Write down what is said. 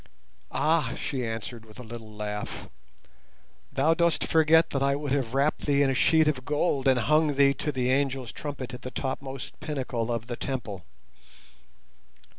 "Ah!" she answered, with a little laugh, "thou dost forget that I would have wrapped thee in a sheet of gold and hung thee to the angel's trumpet at the topmost pinnacle of the Temple."